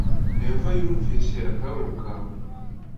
yehova yumvise akababaro kawe.